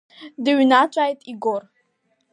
Дыҩныҵәааит Игор.